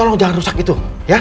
tolong jangan rusak itu